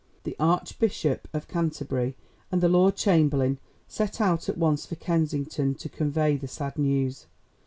The Archbishop of Canterbury and the Lord Chamberlain set out at once for Kensington to convey the sad news.